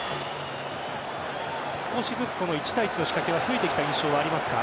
少しずつ一対一の仕掛けが増えてきた印象はありますか？